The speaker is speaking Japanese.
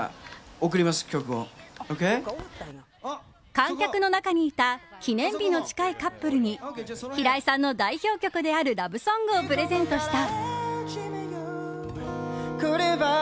観客の中にいた記念日の近いカップルに平井さんの代表曲であるラブソングをプレゼントした。